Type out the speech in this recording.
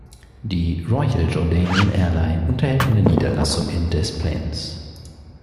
Die Royal Jordanian Airline unterhält eine Niederlassung in Des Plaines.